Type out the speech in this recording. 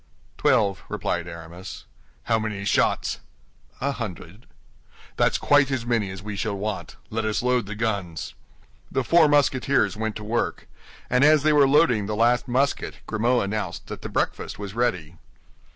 "Twelve," replied Aramis. "How many shots?" "A hundred." "That's quite as many as we shall want. Let us load the guns." The four Musketeers went to work; and as they were loading the last musket Grimaud announced that the breakfast was ready.